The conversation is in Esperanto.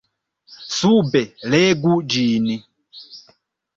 Sube legu ĝin.